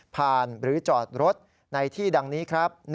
หรือจอดรถในที่ดังนี้ครับ